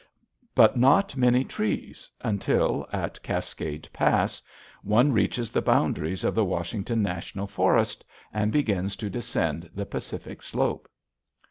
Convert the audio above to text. But not many trees, until, at Cascade Pass, one reaches the boundaries of the Washington National Forest and begins to descend the Pacific slope.